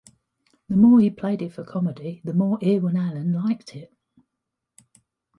The more he played it for comedy, the more Irwin Allen liked it.